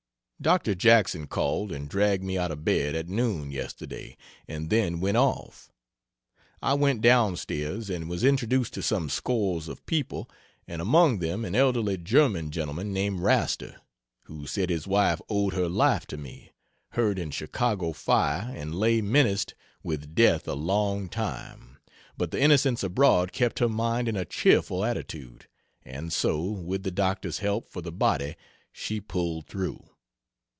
Dr. Jackson called and dragged me out of bed at noon, yesterday, and then went off. I went down stairs and was introduced to some scores of people, and among them an elderly German gentleman named Raster, who said his wife owed her life to me hurt in Chicago fire and lay menaced with death a long time, but the Innocents Abroad kept her mind in a cheerful attitude, and so, with the doctor's help for the body she pulled through....